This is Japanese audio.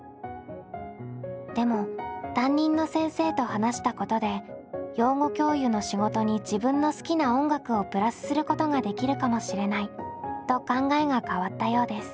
でも担任の先生と話したことで養護教諭の仕事に自分の好きな音楽をプラスすることができるかもしれないと考えが変わったようです。